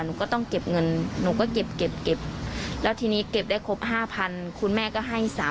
หนูก็ต้องเก็บเงินหนูก็เก็บแล้วทีนี้เก็บได้ครบ๕๐๐คุณแม่ก็ให้๓๐๐